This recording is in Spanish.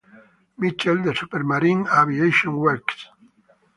Mitchell de Supermarine Aviation Works.